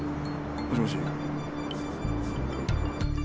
もしもし？